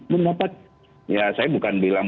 mendapat ya saya bukan bilang